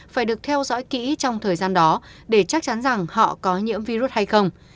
phải được theo dõi kỹ trong thời gian đó để chắc chắn rằng họ có nhiễm virus hay không